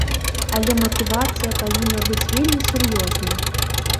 Але матывацыя павінна быць вельмі сур'ёзнай.